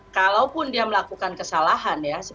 kalaupun dia melakukan kesalahan ya